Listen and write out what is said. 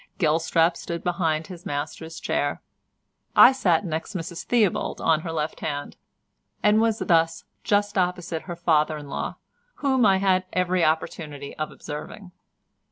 Gelstrap stood behind his master's chair. I sat next Mrs Theobald on her left hand, and was thus just opposite her father in law, whom I had every opportunity of observing.